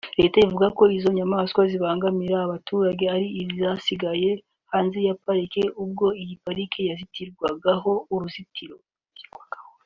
Leta ivuga ko izo nyamaswa zibangamira abaturage ari izasigaye hanze ya pariki ubwo iyi pariki yashyirwagaho uruzitiro